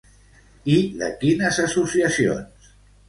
I de quines associacions?